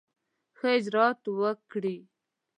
ښه اجرآت وکړي.